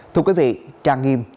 thưa quý vị trang nghiêm